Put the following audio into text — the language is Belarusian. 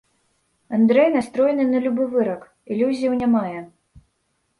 Андрэй настроены на любы вырак, ілюзіяў не мае.